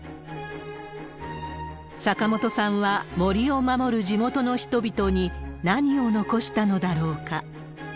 坂本さんは森を守る地元の人々に何を残したのだろうか。